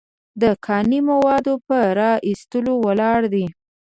د کاني موادو په را ایستلو ولاړ دی.